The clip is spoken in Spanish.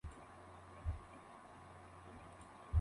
El programa es actualmente el más visto de la televisión israelí.